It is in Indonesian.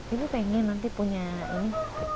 ibu pengen nanti punya ini